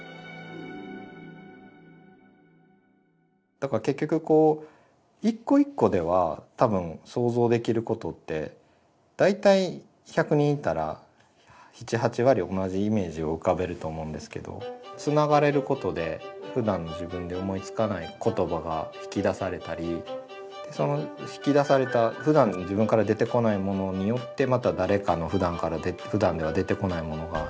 だから結局一個一個では多分想像できることって大体１００人いたら７８割同じイメージを浮かべると思うんですけどつながれることでふだんの自分で思いつかない言葉が引き出されたりでその引き出されたふだんの自分から出てこないものによってまた誰かのふだんでは出てこないものが引き出されたりすると思うので。